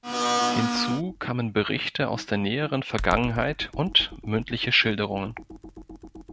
Hinzu kamen Berichte aus der näheren Vergangenheit und mündliche Schilderungen.